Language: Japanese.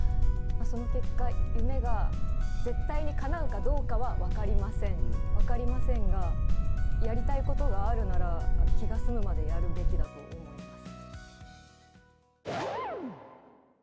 その結果、夢が絶対にかなうかどうかは分かりません、分かりませんが、やりたいことがあるなら、気が済むまでやるべきだと思います。